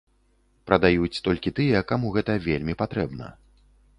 Прадаюць толькі тыя, каму гэта вельмі патрэбна.